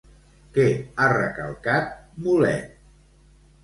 Què ha recalcat, Mulet?